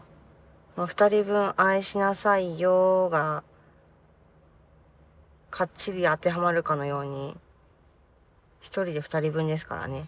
まあ「２人分愛しなさいよ」がかっちり当てはまるかのように１人で２人分ですからね。